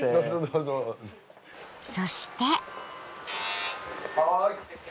そして。